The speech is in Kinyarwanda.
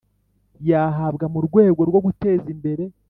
Yahabwa mu rwego rwo guteza imbere